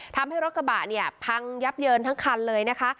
ทำให้รถกระบะเนี่ยพังยับเยินทั้งคันเลยนะคะ